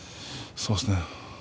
そうですね。